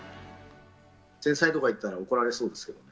繊細とか言ったら怒られそうですけどね。